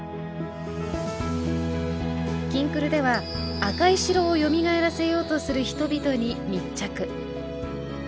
「きんくる」では赤い城をよみがえらせようとする人々に密着。